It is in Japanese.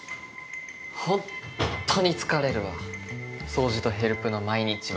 ほんっとに疲れるわ掃除とヘルプの毎日は。